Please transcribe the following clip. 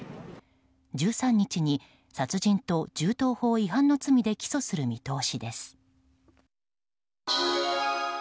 １３日に殺人と銃刀法違反の罪で起訴する見通しです。